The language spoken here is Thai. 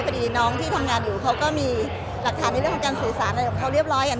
พอดีน้องที่ทำงานอยู่เขาก็มีหลักฐานในเรื่องของการสื่อสารอะไรของเขาเรียบร้อย